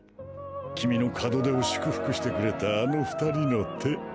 君の門出を祝福してくれたあの２人の手。